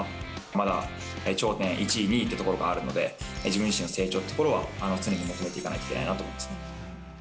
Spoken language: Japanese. まだ頂点、１位、２位っていうところがあるので、自分自身の成長というところは、常に求めていかなきゃいけないなと思います。